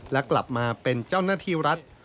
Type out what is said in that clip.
และกลับมาเป็นเจ้าหน้าที่รัฐ